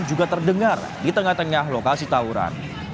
juga terdengar di tengah tengah lokasi tawuran